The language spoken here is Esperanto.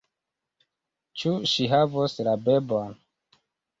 Ĉu ŝi havos la bebon?